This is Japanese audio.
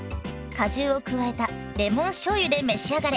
果汁を加えたレモンしょうゆで召し上がれ！